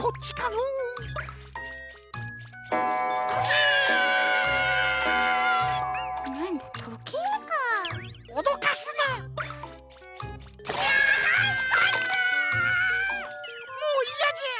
もういやじゃ。